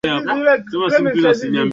kila mwaka na milioni moja hufa kwa masaa